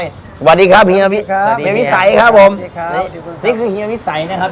สวัสดีครับเฮียวิสัยครับผมสวัสดีครับนี่คือเฮียวิสัยนะครับ